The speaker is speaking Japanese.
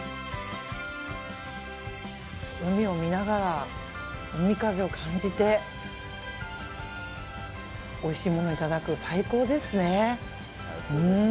海を見ながら海風を感じておいしいものをいただく最高ですね。